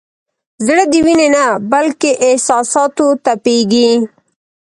زړه د وینې نه بلکې احساساتو تپېږي.